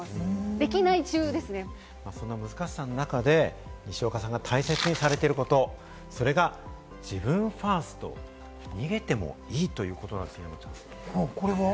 できない中で、にしおかさんが大切にされていることを自分ファースト、逃げてもいいということなんですよね？